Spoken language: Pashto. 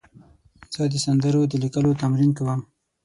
زه د سندرو د لیکلو تمرین کوم.